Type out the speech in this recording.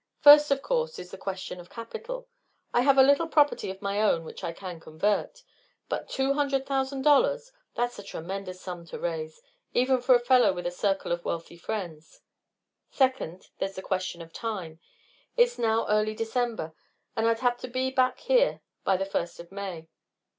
First, of course, is the question of capital. I have a little property of my own which I can convert. But two hundred thousand dollars! That's a tremendous sum to raise, even for a fellow with a circle of wealthy friends. Second, there's the question of time. It's now early December, and I'd have to be back here by the first of May.